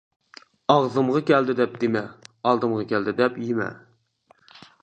ئاغزىمغا كەلدى دەپ دېمە، ئالدىمغا كەلدى دەپ يېمە.